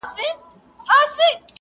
دا د طبیعت یوه ځانګړې ډالۍ ده.